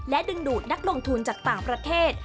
ดึงดูดนักลงทุนจากต่างประเทศ